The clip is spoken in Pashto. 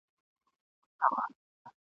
تر څنګ د زورورو زړه ور مه کښېنه متل دی!.